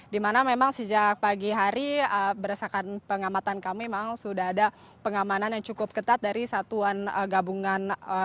di mana memang sejak pagi hari berdasarkan pengamatan kami memang sudah ada pengamanan yang cukup ketat dari satuan gabungan